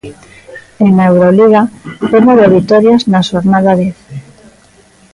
E na Euroliga, pleno de vitorias na xornada dez.